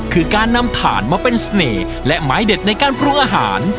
คือการนำถ่านมาเป็นเสน่ห์และไม้เด็ดในการปรุงอาหาร